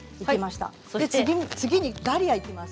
次にダリアにいきます。